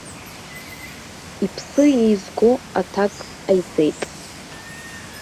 Иԥсы еизго аҭак ҟаиҵеит.